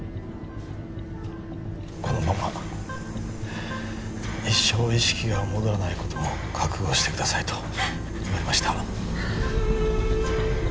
このまま一生意識が戻らないことも覚悟してくださいと言われました